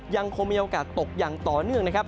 ยังคงมีโอกาสตกอย่างต่อเนื่องนะครับ